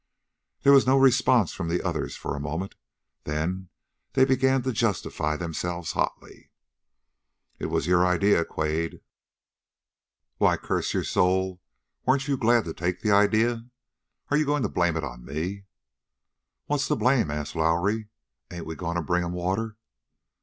There was no response from the others for a moment. Then they began to justify themselves hotly. "It was your idea, Quade." "Why, curse your soul, weren't you glad to take the idea? Are you going to blame it on to me?" "What's the blame?" asked Lowrie. "Ain't we going to bring him water?"